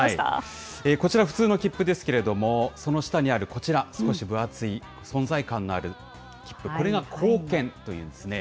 こちら、普通のきっぷですけれども、その下にあるこちら、少し分厚い、存在感のあるきっぷ、これが硬券というんですね。